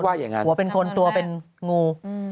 สมองว่าเป็นคนตัวเป็นงู